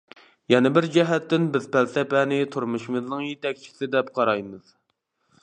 يەنە بىر جەھەتتىن بىز پەلسەپىنى تۇرمۇشىمىزنىڭ يېتەكچىسى دەپ قارايمىز.